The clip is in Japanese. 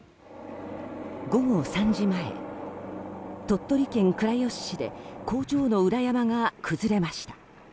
午後３時前、鳥取県倉吉市で工場の裏山が崩れました。